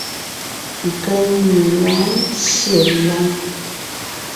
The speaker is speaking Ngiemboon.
Keŋne lɔ̌ɔn ńtyê láŋ.